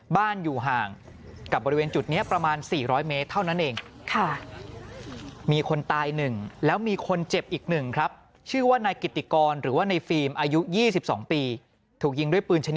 บ้านอยู่ห่างกับบริเวณจุดนี้ประมาณ๔๐๐เมตรเท่านั้นเอง